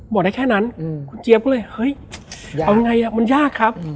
บอกได้แค่นั้นคุณเจี๊ยบก็เลยเฮ้ยเอาไงมันยากครับ